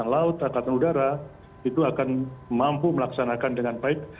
angka laut angkatan udara itu akan mampu melaksanakan dengan baik